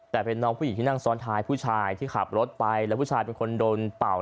แต่เป็นน้องผู้หญิงที่นั่งซ้อนท้ายผู้ชายที่ขับรถไปแล้วผู้ชายเป็นคนโดนเป่า